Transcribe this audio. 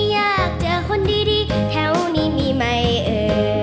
อยากเจอคนดีแถวนี้มีไหมเออ